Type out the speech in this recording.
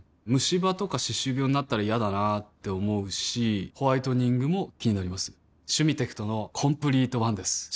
ムシ歯とか歯周病になったら嫌だなって思うしホワイトニングも気になります「シュミテクトのコンプリートワン」です